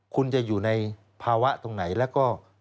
คุณจะอยู่ในภาวะตรงไหนแล้วก็